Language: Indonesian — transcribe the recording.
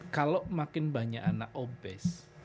kalau makin banyak anak obes